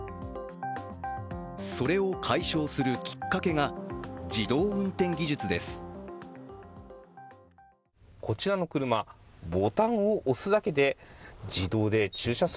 それを解消するきっかけが自動運転技術です。